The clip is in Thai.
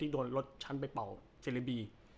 ที่โดนรถชั้นไปเป่าเซลบี